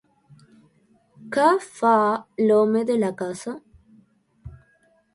Què fa l'home de la casa?